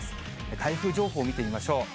台風情報、見てみましょう。